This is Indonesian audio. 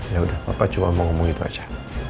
ya sudah papa cuma mau ngomong itu saja